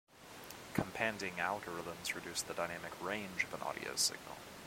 Companding algorithms reduce the dynamic range of an audio signal.